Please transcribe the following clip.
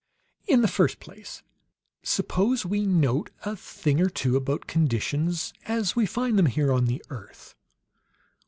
"In the first place, suppose we note a thing or two about conditions as we find them here on the earth.